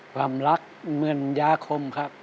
ความรักเหมือนยาคมครับ